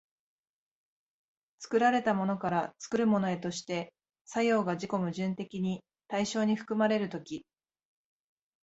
作られたものから作るものへとして作用が自己矛盾的に対象に含まれる時、